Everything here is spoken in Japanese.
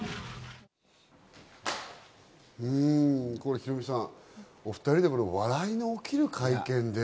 ヒロミさん、お２人で笑いの起きる会見で。